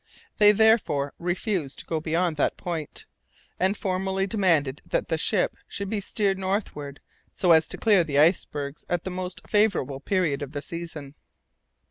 They therefore refused to go beyond that point, and formally demanded that the ship should be steered northward so as to clear the icebergs at the most favourable period of the season.